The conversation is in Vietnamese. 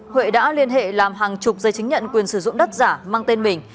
huệ đã liên hệ làm hàng chục giấy chứng nhận quyền sử dụng đất giả mang tên mình